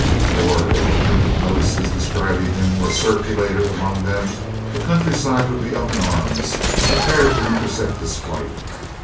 For, if the printed notices describing him were circulated among them, the countryside would be up in arms, prepared to intercept his flight.